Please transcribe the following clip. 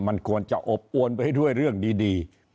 มันควรจะอบอวนไปด้วยเรื่องดี